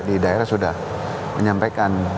di daerah sudah menyampaikan